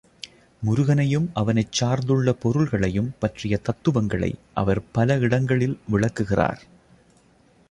முருகனையும் அவனைச் சார்ந்துள்ள பொருள்களையும் பற்றிய தத்துவங்களை அவர் பல இடங்களில் விளக்குகிறார்.